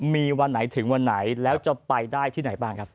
มีวันไหนถึงวันไหนแล้วจะไปได้ที่ไหนบ้างครับ